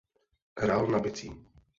Hrál na bicí.